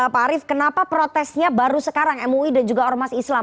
pak arief kenapa protesnya baru sekarang mui dan juga ormas islam